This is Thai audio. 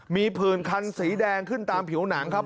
มีผื่นคันสีแดงขึ้นตามผิวหนังครับ